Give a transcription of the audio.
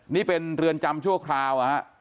นี่เป็นเรือนจำชั่วคราว